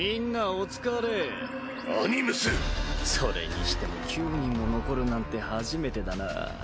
それにしても９人も残るなんて初めてだな。